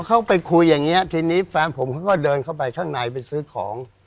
เขาไปคุยอย่างนี้ทีนี้แฟนผมเขาก็เดินเข้าไปข้างในไปซื้อของ